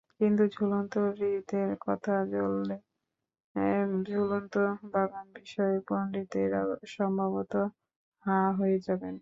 কিন্তু ঝুলন্ত হ্রদের কথা বললে ঝুলন্ত বাগানবিষয়ক পণ্ডিতেরাও সম্ভবত হাঁ হয়ে যাবেন।